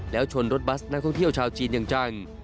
แล้วชนรถบัสนักท่องเที่ยวชาวจีนอย่างจัง